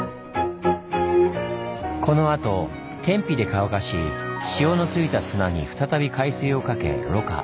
このあと天日で乾かし塩のついた砂に再び海水をかけろ過。